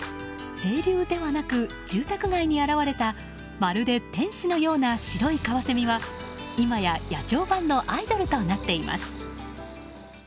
清流ではなく住宅街に現れたまるで天使のような白いカワセミは今や野鳥ファンのアイドルとなっています。